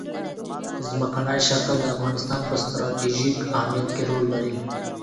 ځمکنی شکل د افغانستان په ستراتیژیک اهمیت کې رول لري.